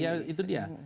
ya itu dia